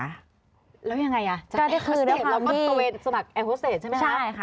แล้วยังไงจากแอร์ฮอสเตจแล้วก็กระเวนสมัครแอร์ฮอสเตจใช่ไหมครับ